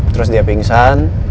terus dia pingsan